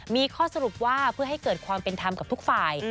มีข้อสรุปว่าเพื่อให้เกิดความเป็นธรรมกับทุกฝ่าย